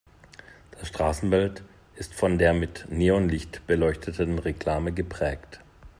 Das Straßenbild ist von der mit Neonlicht beleuchteten Reklame geprägt.